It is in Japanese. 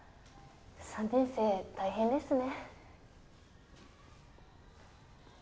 ３年生大変ですね。